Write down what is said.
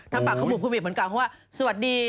ทั้งปากเขาบุกพูดเหมือนกันเพราะว่าสวัสดี